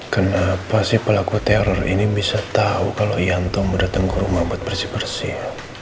kenapa sih pelaku teror ini bisa tau kalo yanto mendatang ke rumah buat bersih bersih